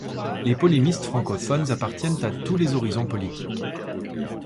Les polémistes francophones appartiennent à tous les horizons politiques.